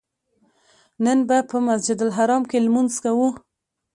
نن به په مسجدالحرام کې لمونځ کوو.